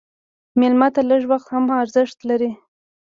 مېلمه ته لږ وخت هم ارزښت لري.